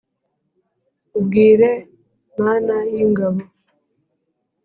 ubwire mana y’ ingabo,